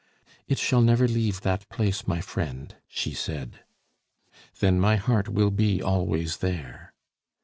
"It shall never leave that place, my friend," she said. "Then my heart will be always there."